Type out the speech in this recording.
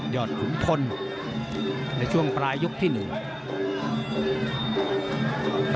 อดขุนทนในช่วงปลายยกที่หนึ่ง